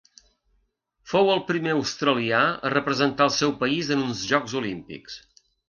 Fou el primer australià a representar el seu país en uns Jocs Olímpics.